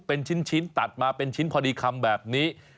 เป็นชิ้นตัดมาเป็นชิ้นพอดีคำแบบนี้